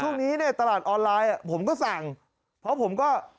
ช่วงนี้ตลาดออนไลน์น่ะผมก็สั่งเพราะผมก็